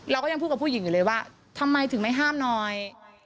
เราก็ยังพูดกับผู้หญิงอยู่เลยว่าทำไมถึงไม่ห้ามหน่อย